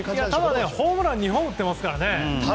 ただホームランを２本打っていますからね。